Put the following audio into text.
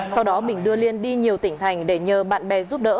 sau đó bình đưa liên đi nhiều tỉnh thành để nhờ bạn bè giúp đỡ